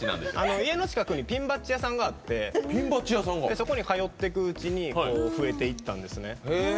家の近くにピンバッジ屋さんがあってそこに通っていくうちに増えていったんですね。